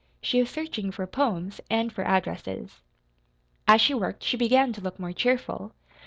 She was searching for poems and for addresses. As she worked she began to look more cheerful.